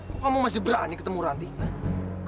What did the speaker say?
kok kamu masih berani ketemu ranti